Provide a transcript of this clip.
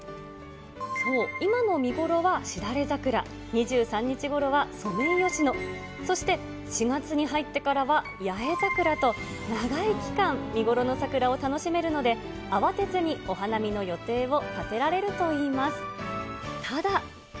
そう、今の見頃はしだれ桜、２３日ごろはソメイヨシノ、そして４月に入ってからはヤエザクラと、長い期間、見頃の桜を楽しめるので、慌てずにお花見の予定を立てられるといいます。